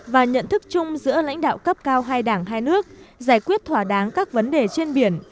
và nhận thức chung giữa lãnh đạo cấp cao hai đảng hai nước giải quyết thỏa đáng các vấn đề trên biển